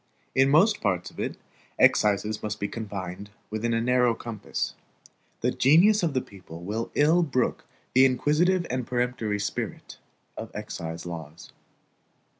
In most parts of it, excises must be confined within a narrow compass. The genius of the people will ill brook the inquisitive and peremptory spirit of excise laws.